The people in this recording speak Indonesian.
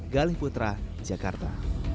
galih putra jakarta